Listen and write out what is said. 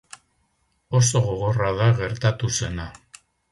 Oso gogorra da gertatu zena.